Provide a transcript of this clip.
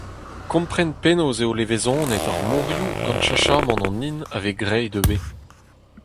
Kompren penaos eo levezonet ar morioù gant cheñchamant an hin a vez graet ivez.